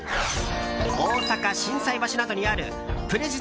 大阪・心斎橋などにあるぷれじ